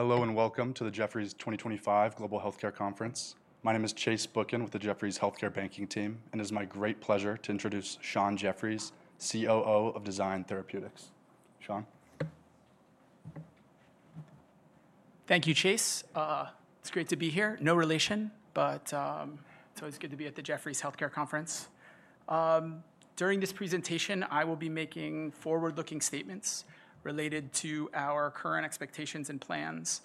Hello and welcome to the Jefferies 2025 Global Healthcare Conference. My name is Chase Booken with the Jefferies Healthcare Banking Team, and it is my great pleasure to introduce Shawn Jeffries, COO of Design Therapeutics. Shawn. Thank you, Chase. It's great to be here. No relation, but it's always good to be at the Jefferies Healthcare Conference. During this presentation, I will be making forward-looking statements related to our current expectations and plans.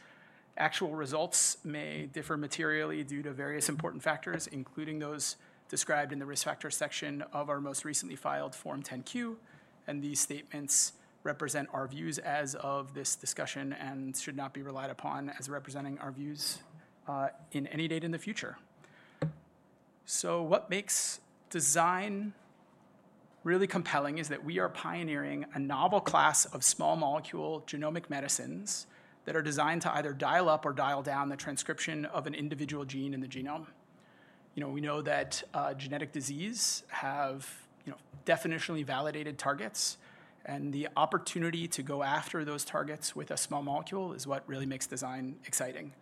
Actual results may differ materially due to various important factors, including those described in the risk factor section of our most recently filed Form 10-Q. These statements represent our views as of this discussion and should not be relied upon as representing our views in any date in the future. What makes Design really compelling is that we are pioneering a novel class of small molecule genomic medicines that are designed to either dial up or dial down the transcription of an individual gene in the genome. You know, we know that genetic diseases have definitionally validated targets, and the opportunity to go after those targets with a small molecule is what really makes Design exciting.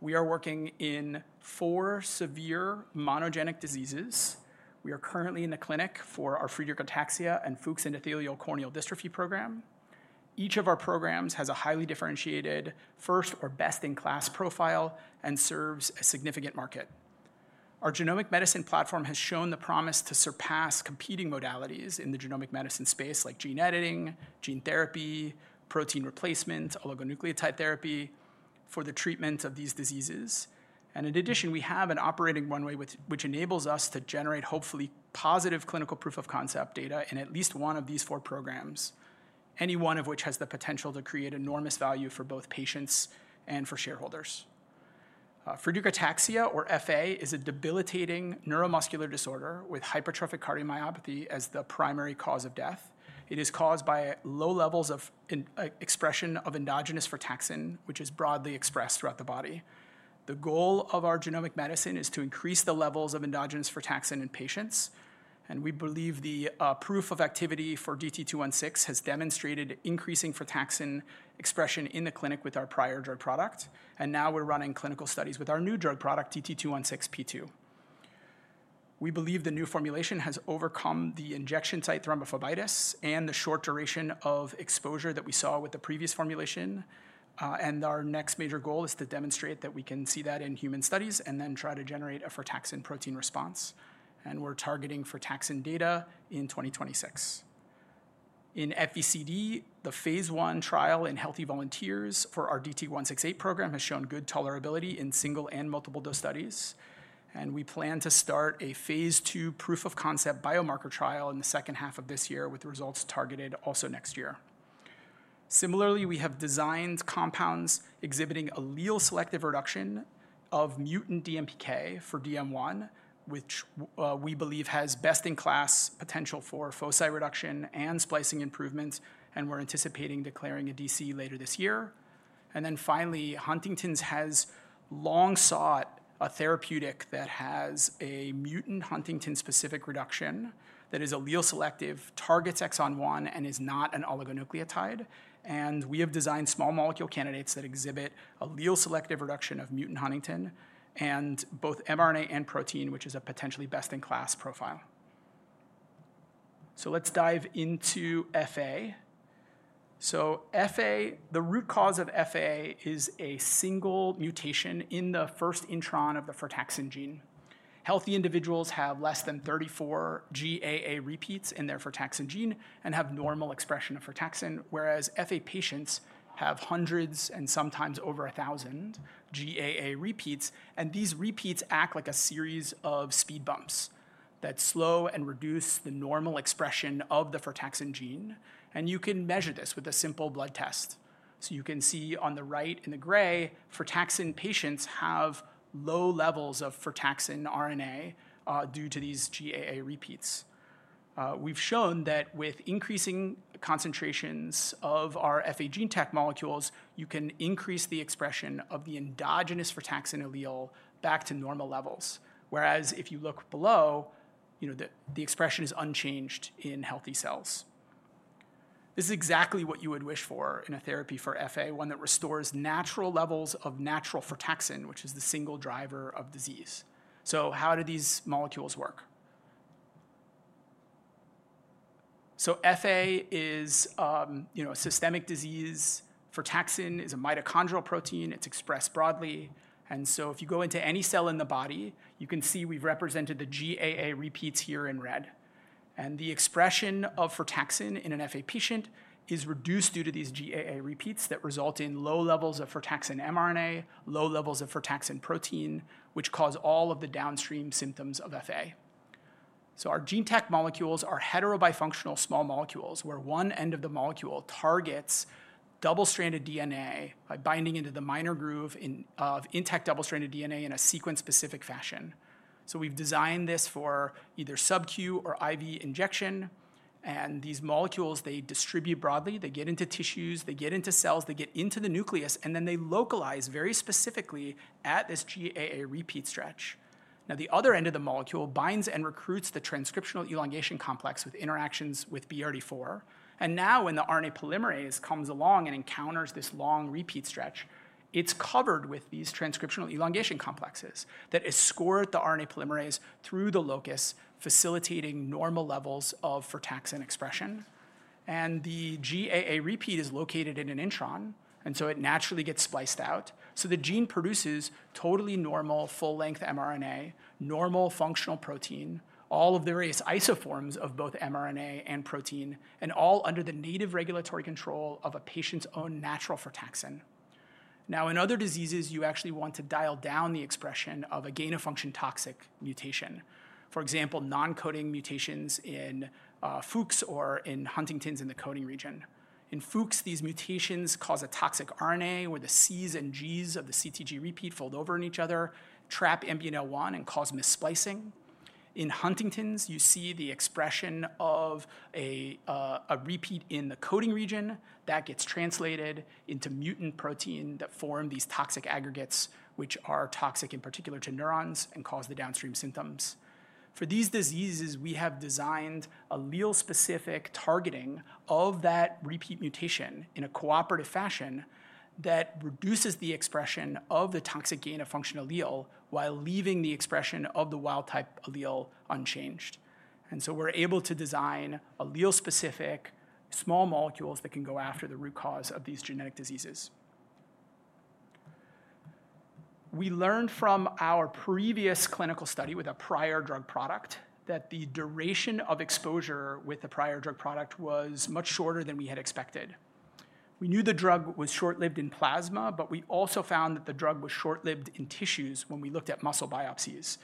We are working in four severe monogenic diseases. We are currently in the clinic for our Friedreich's ataxia and Fuch's endothelial corneal dystrophy program. Each of our programs has a highly differentiated first or best-in-class profile and serves a significant market. Our genomic medicine platform has shown the promise to surpass competing modalities in the genomic medicine space, like gene editing, gene therapy, protein replacement, oligonucleotide therapy for the treatment of these diseases. In addition, we have an operating runway which enables us to generate hopefully positive clinical proof of concept data in at least one of these four programs, any one of which has the potential to create enormous value for both patients and for shareholders. ataxia, or FA, is a debilitating neuromuscular disorder with hypertrophic cardiomyopathy as the primary cause of death. It is caused by low levels of expression of endogenous frataxin, which is broadly expressed throughout the body. The goal of our genomic medicine is to increase the levels of endogenous frataxin in patients, and we believe the proof of activity for DT-216 has demonstrated increasing frataxin expression in the clinic with our prior drug product. We are running clinical studies with our new drug product, DT-216P2. We believe the new formulation has overcome the injection site thrombophlebitis and the short duration of exposure that we saw with the previous formulation. Our next major goal is to demonstrate that we can see that in human studies and then try to generate a frataxin protein response. We are targeting frataxin data in 2026. In FECD, the phase I trial in healthy volunteers for our DT-168 program has shown good tolerability in single and multiple dose studies. We plan to start a phase II proof of concept biomarker trial in the second half of this year, with results targeted also next year. Similarly, we have designed compounds exhibiting allele selective reduction of mutant DMPK for DM1, which we believe has best-in-class potential for foci reduction and splicing improvements, and we're anticipating declaring a DC later this year. Finally, Huntington's has long sought a therapeutic that has a mutant Huntington-specific reduction that is allele selective, targets exon one, and is not an oligonucleotide. We have designed small molecule candidates that exhibit allele selective reduction of mutant Huntington in both mRNA and protein, which is a potentially best-in-class profile. Let's dive into FA. FA, the root cause of FA is a single mutation in the first intron of the frataxin gene. Healthy individuals have less than 34 GAA repeats in their frataxin gene and have normal expression of frataxin, whereas FA patients have hundreds and sometimes over a thousand GAA repeats. These repeats act like a series of speed bumps that slow and reduce the normal expression of the frataxin gene. You can measure this with a simple blood test. You can see on the right in the gray, FA patients have low levels of frataxin RNA due to these GAA repeats. We've shown that with increasing concentrations of our FA GeneTAC molecules, you can increase the expression of the endogenous frataxin allele back to normal levels, whereas if you look below, you know, the expression is unchanged in healthy cells. This is exactly what you would wish for in a therapy for FA, one that restores natural levels of natural frataxin, which is the single driver of disease. How do these molecules work? FA is, you know, a systemic disease. Frataxin is a mitochondrial protein. It's expressed broadly. If you go into any cell in the body, you can see we've represented the GAA repeats here in red. The expression of frataxin in an FA patient is reduced due to these GAA repeats that result in low levels of frataxin mRNA, low levels of frataxin protein, which cause all of the downstream symptoms of FA. Our GeneTAC molecules are heterobifunctional small molecules where one end of the molecule targets double-stranded DNA by binding into the minor groove of intact double-stranded DNA in a sequence-specific fashion. We've designed this for either subcu or IV injection. These molecules distribute broadly. They get into tissues, they get into cells, they get into the nucleus, and then they localize very specifically at this GAA repeat stretch. The other end of the molecule binds and recruits the transcriptional elongation complex with interactions with BRD4. Now when the RNA polymerase comes along and encounters this long repeat stretch, it is covered with these transcriptional elongation complexes that escort the RNA polymerase through the locus, facilitating normal levels of frataxin expression. The GAA repeat is located in an intron, and so it naturally gets spliced out. The gene produces totally normal full-length mRNA, normal functional protein, all of the various isoforms of both mRNA and protein, and all under the native regulatory control of a patient's own natural frataxin. Now, in other diseases, you actually want to dial down the expression of a gain-of-function toxic mutation, for example, non-coding mutations in Fuch,s or in Huntington's in the coding region. In Fuch's, these mutations cause a toxic RNA where the C's and G's of the CTG repeat fold over in each other, trap MBNL1, and cause missplicing. In Huntington's, you see the expression of a repeat in the coding region that gets translated into mutant protein that form these toxic aggregates, which are toxic in particular to neurons and cause the downstream symptoms. For these diseases, we have designed allele-specific targeting of that repeat mutation in a cooperative fashion that reduces the expression of the toxic gain-of-function allele while leaving the expression of the wild-type allele unchanged. We are able to design allele-specific small molecules that can go after the root cause of these genetic diseases. We learned from our previous clinical study with a prior drug product that the duration of exposure with the prior drug product was much shorter than we had expected. We knew the drug was short-lived in plasma, but we also found that the drug was short-lived in tissues when we looked at muscle biopsies.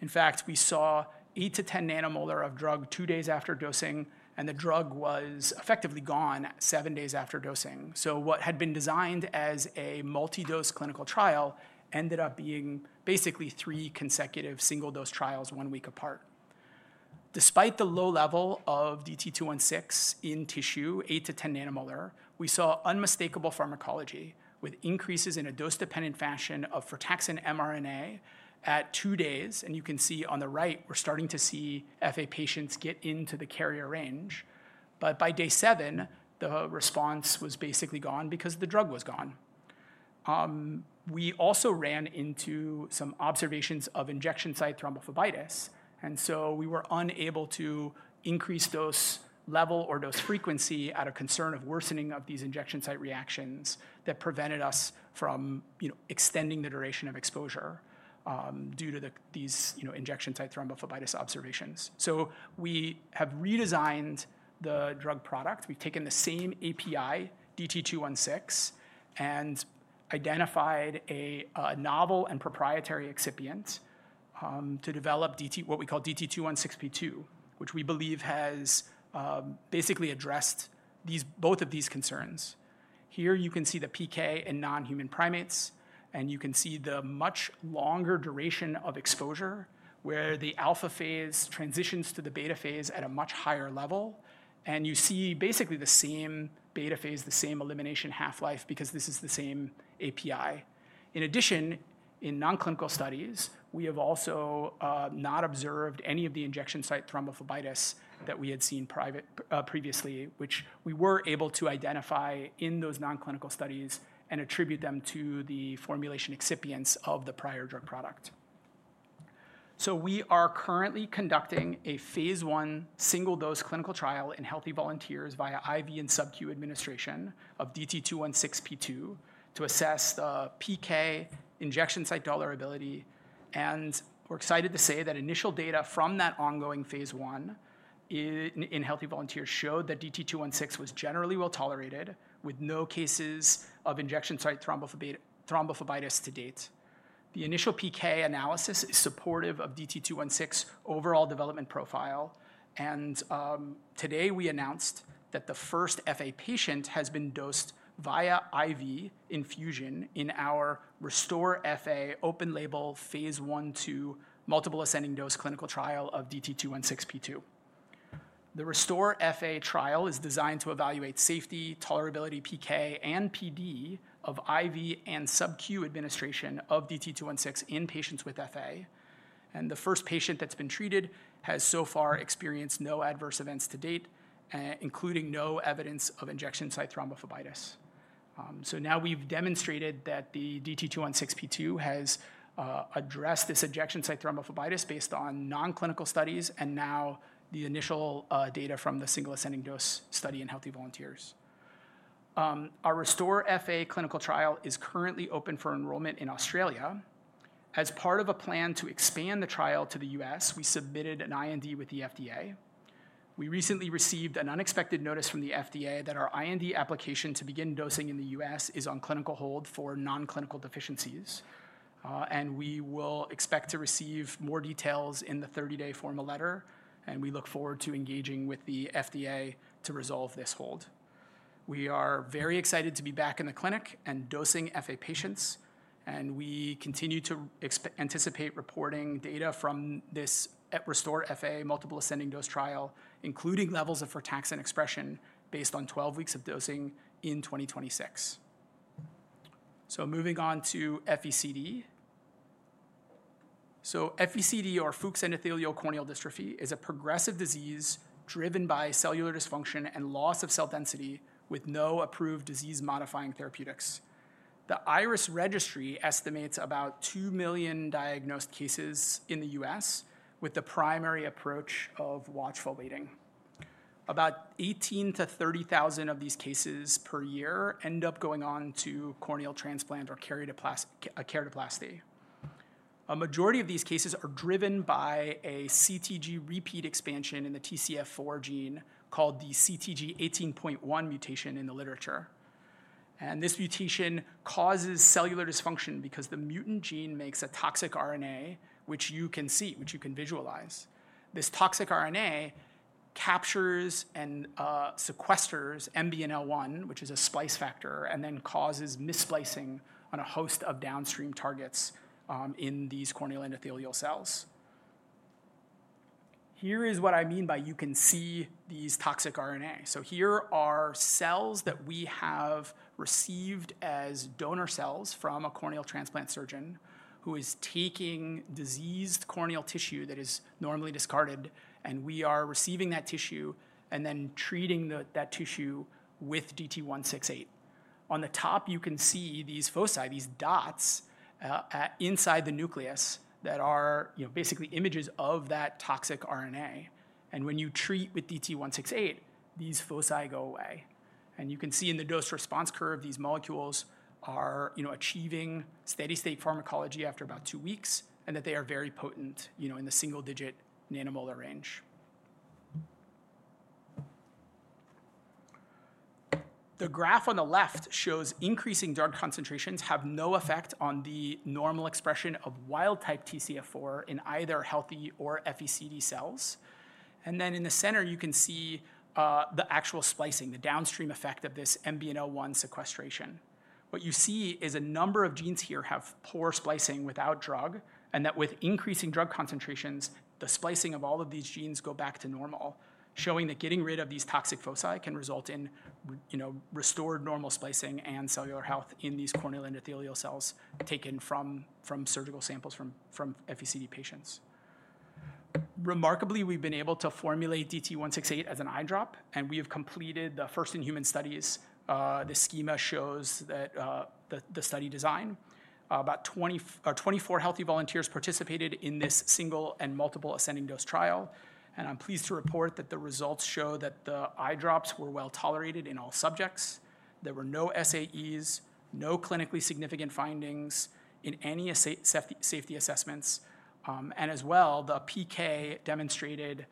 In fact, we saw 8-10 nanomolar of drug two days after dosing, and the drug was effectively gone seven days after dosing. What had been designed as a multi-dose clinical trial ended up being basically three consecutive single-dose trials one week apart. Despite the low level of DT-216 in tissue, 8-10 nanomolar, we saw unmistakable pharmacology with increases in a dose-dependent fashion of frataxin mRNA at two days. You can see on the right, we are starting to see FA patients get into the carrier range. By day seven, the response was basically gone because the drug was gone. We also ran into some observations of injection site thrombophlebitis. We were unable to increase dose level or dose frequency out of concern of worsening of these injection site reactions that prevented us from, you know, extending the duration of exposure due to these, you know, injection site thrombophlebitis observations. We have redesigned the drug product. We've taken the same API, DT-216, and identified a novel and proprietary excipient to develop what we call DT-216P2, which we believe has basically addressed both of these concerns. Here you can see the PK in non-human primates, and you can see the much longer duration of exposure where the alpha phase transitions to the beta phase at a much higher level. You see basically the same beta phase, the same elimination half-life, because this is the same API. In addition, in non-clinical studies, we have also not observed any of the injection site thrombophlebitis that we had seen previously, which we were able to identify in those non-clinical studies and attribute them to the formulation excipients of the prior drug product. We are currently conducting a phase one single-dose clinical trial in healthy volunteers via IV and subcu administration of DT-216P2 to assess the PK injection site tolerability. We are excited to say that initial data from that ongoing phase one in healthy volunteers showed that DT-216 was generally well tolerated with no cases of injection site thrombophlebitis to date. The initial PK analysis is supportive of DT-216 overall development profile. Today we announced that the first FA patient has been dosed via IV infusion in our RESTOR-FA open-label phase one to multiple ascending dose clinical trial of DT-216P2. The RESTOR-FA trial is designed to evaluate safety, tolerability, PK, and PD of IV and subcu administration of DT-216 in patients with FA. The first patient that's been treated has so far experienced no adverse events to date, including no evidence of injection site thrombophlebitis. We have demonstrated that the DT-216P2 has addressed this injection site thrombophlebitis based on non-clinical studies and now the initial data from the single ascending dose study in healthy volunteers. Our RESTOR-FA clinical trial is currently open for enrollment in Australia. As part of a plan to expand the trial to the United States, we submitted an IND with the FDA. We recently received an unexpected notice from the FDA that our IND application to begin dosing in the U.S. is on clinical hold for non-clinical deficiencies. We will expect to receive more details in the 30-day formal letter. We look forward to engaging with the FDA to resolve this hold. We are very excited to be back in the clinic and dosing FA patients. We continue to anticipate reporting data from this RESTOR-FA multiple ascending dose trial, including levels of frataxin expression based on 12 weeks of dosing in 2026. Moving on to FECD. FECD, or Fuchs endothelial corneal dystrophy, is a progressive disease driven by cellular dysfunction and loss of cell density with no approved disease-modifying therapeutics. The IRIS registry estimates about 2 million diagnosed cases in the U.S. with the primary approach of watchful waiting. About 18,000 to 30,000 of these cases per year end up going on to corneal transplant or keratoplasty. A majority of these cases are driven by a CTG repeat expansion in the TCF4 gene called the CTG18.1 mutation in the literature. This mutation causes cellular dysfunction because the mutant gene makes a toxic RNA, which you can see, which you can visualize. This toxic RNA captures and sequesters MBNL1, which is a splice factor, and then causes missplicing on a host of downstream targets in these corneal endothelial cells. Here is what I mean by you can see these toxic RNA. Here are cells that we have received as donor cells from a corneal transplant surgeon who is taking diseased corneal tissue that is normally discarded. We are receiving that tissue and then treating that tissue with DT-168. On the top, you can see these foci, these dots inside the nucleus that are, you know, basically images of that toxic RNA. When you treat with DT-168, these foci go away. You can see in the dose response curve, these molecules are, you know, achieving steady-state pharmacology after about two weeks and that they are very potent, you know, in the single-digit nanomolar range. The graph on the left shows increasing drug concentrations have no effect on the normal expression of wild-type TCF4 in either healthy or FECD cells. In the center, you can see the actual splicing, the downstream effect of this MBNL1 sequestration. What you see is a number of genes here have poor splicing without drug, and that with increasing drug concentrations, the splicing of all of these genes goes back to normal, showing that getting rid of these toxic foci can result in, you know, restored normal splicing and cellular health in these corneal endothelial cells taken from surgical samples from FECD patients. Remarkably, we've been able to formulate DT-168 as an eye drop, and we have completed the first in human studies. The schema shows that the study design. About 24 healthy volunteers participated in this single and multiple ascending dose trial. I'm pleased to report that the results show that the eye drops were well tolerated in all subjects. There were no SAEs, no clinically significant findings in any safety assessments. As well, the PK demonstrated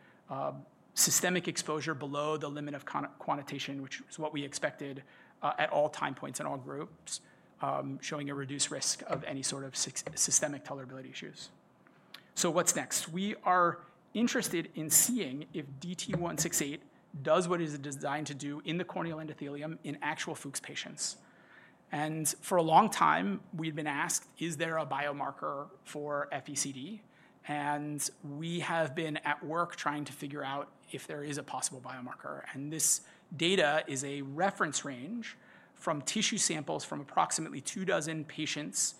systemic exposure below the limit of quantitation, which was what we expected at all time points in all groups, showing a reduced risk of any sort of systemic tolerability issues. What's next? We are interested in seeing if DT-168 does what it is designed to do in the corneal endothelium in actual Fuchs patients. For a long time, we've been asked, is there a biomarker for FECD? We have been at work trying to figure out if there is a possible biomarker. This data is a reference range from tissue samples from approximately two dozen patients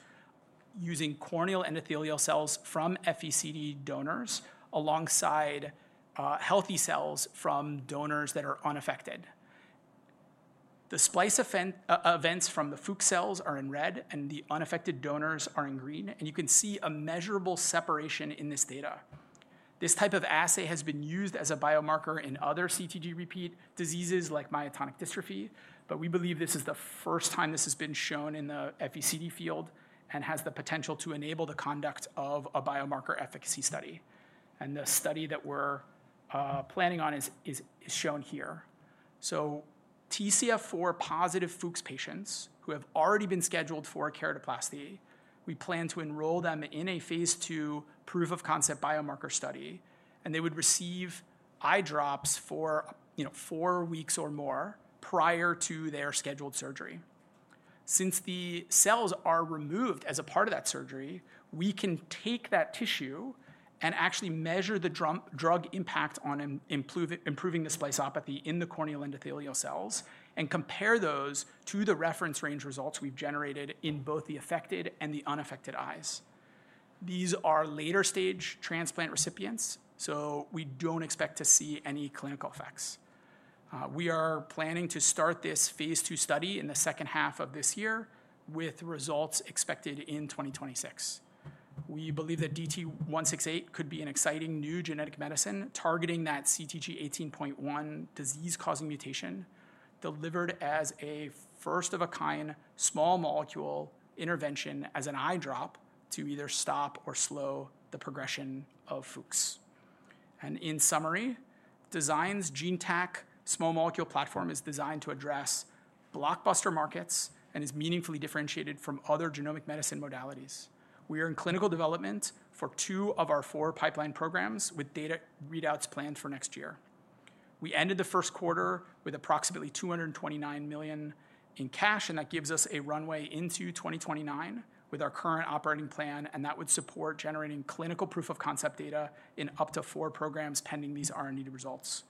using corneal endothelial cells from FECD donors alongside healthy cells from donors that are unaffected. The splice events from the Fuchs cells are in red, and the unaffected donors are in green. You can see a measurable separation in this data. This type of assay has been used as a biomarker in other CTG repeat diseases like myotonic dystrophy, but we believe this is the first time this has been shown in the FECD field and has the potential to enable the conduct of a biomarker efficacy study. The study that we're planning on is shown here. TCF4 positive Fuchs patients who have already been scheduled for keratoplasty, we plan to enroll them in a phase two proof of concept biomarker study, and they would receive eye drops for, you know, four weeks or more prior to their scheduled surgery. Since the cells are removed as a part of that surgery, we can take that tissue and actually measure the drug impact on improving the spliceopathy in the corneal endothelial cells and compare those to the reference range results we've generated in both the affected and the unaffected eyes. These are later stage transplant recipients, so we do not expect to see any clinical effects. We are planning to start this phase two study in the second half of this year with results expected in 2026. We believe that DT-168 could be an exciting new genetic medicine targeting that CTG18.1 disease-causing mutation delivered as a first-of-a-kind small molecule intervention as an eye drop to either stop or slow the progression of Fuchs. In summary, Design's GeneTAC small molecule platform is designed to address blockbuster markets and is meaningfully differentiated from other genomic medicine modalities. We are in clinical development for two of our four pipeline programs with data readouts planned for next year. We ended the first quarter with approximately $229 million in cash, and that gives us a runway into 2029 with our current operating plan, and that would support generating clinical proof of concept data in up to four programs pending these R&D results.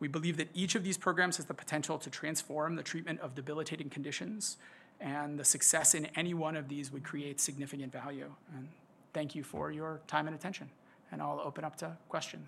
We believe that each of these programs has the potential to transform the treatment of debilitating conditions, and the success in any one of these would create significant value. Thank you for your time and attention, and I'll open up to questions.